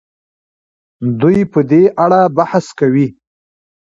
دوی په دې اړه بحث کوي.